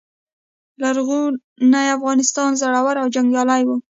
لرغوني افغانان زړور او جنګیالي وو